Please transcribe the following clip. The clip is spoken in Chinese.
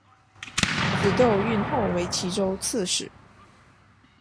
子窦恽后为岐州刺史。